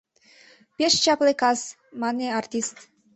— Пеш чапле кас, — мане артист.